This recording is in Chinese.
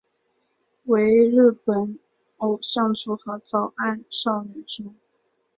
为日本偶像组合早安少女组。